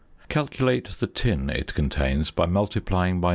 Calculate the tin it contains by multiplying by 0.